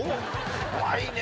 怖いね。